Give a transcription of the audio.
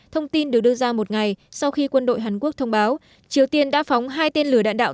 thông tin được đưa ra một ngày sau khi quân đội hàn quốc thông báo triều tiên đã phóng hai tên lửa đạn đạo